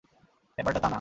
ব্যাপারটা তা না।